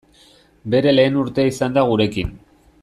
Beren lehen urtea izan da gurekin.